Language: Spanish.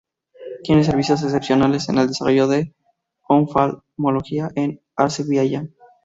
Tiene servicios excepcionales en el desarrollo de la oftalmología en Azerbaiyán.